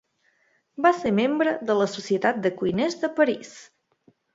Va ser membre de la Societat de Cuiners de París.